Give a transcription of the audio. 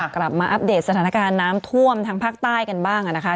อัปเดตสถานการณ์น้ำท่วมทางภาคใต้กันบ้างนะคะ